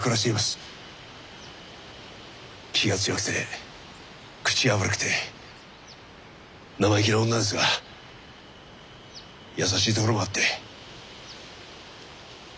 気が強くて口が悪くて生意気な女ですが優しいところもあって。